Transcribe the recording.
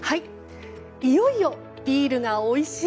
いよいよビールがおいしい